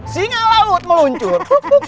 singa laut meluncur